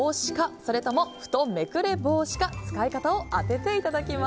それとも布団めくれ防止か使い方を当てていただきます。